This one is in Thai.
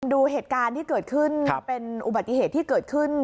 ดูเหตุการณ์ที่เกิดขึ้นเป็นอุบัติเหตุที่เกิดขึ้น